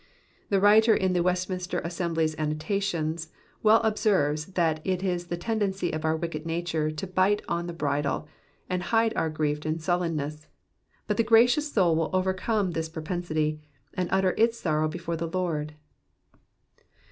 The writer in the Westminster Assembly'' s Annotations well observes that it is the tendency of our wicked nature to bite on the bridle, and hide our grief in BuUenness ; but the gracious soul will overcome this propensity, and utter its sorrow before the Lord.